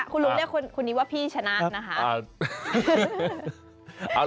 คุณลุงเรียกคนนี้ว่าพี่ชนะนะคะ